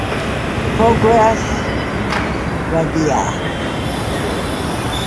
Progresul Oradea